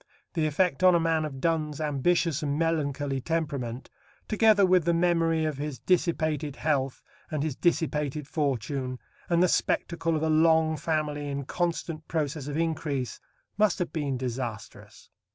The effect on a man of Donne's ambitious and melancholy temperament, together with the memory of his dissipated health and his dissipated fortune, and the spectacle of a long family in constant process of increase, must have been disastrous.